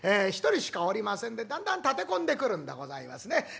一人しかおりませんでだんだん立て込んでくるんでございますね。